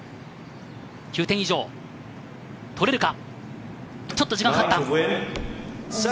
９点以上を取れるか。